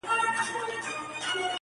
زه دي نه وینم د خپل زړگي پاچا سې٫